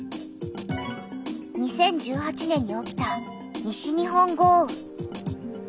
２０１８年に起きた西日本豪雨。